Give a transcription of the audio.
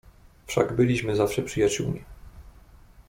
"Wszak byliśmy zawsze przyjaciółmi."